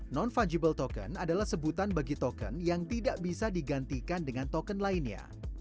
non fungible token adalah sebutan bagi token yang tidak bisa digantikan dengan token lainnya